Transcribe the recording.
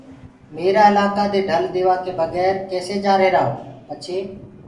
ميرآ الآڪآ دي ڍل ديوآڪي بگير ڪيسي جآهيرآئو پڇي